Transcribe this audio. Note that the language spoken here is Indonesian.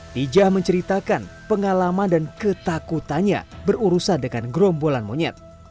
hijah menceritakan pengalaman dan ketakutannya berurusan dengan gerombolan monyet